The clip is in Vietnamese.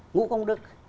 ngũ công đức